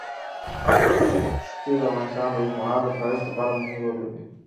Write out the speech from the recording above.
ښتې د افغانستان د اوږدمهاله پایښت لپاره مهم رول لري.